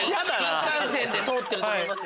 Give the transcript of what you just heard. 新幹線で通ってると思いますよ。